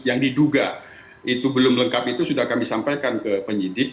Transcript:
yang diduga itu belum lengkap itu sudah kami sampaikan ke penyidik